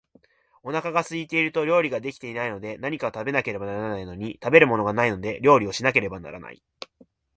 お腹が空いていると料理が出来ないので、何か食べなければならないのに、食べるものがないので料理をしなければならない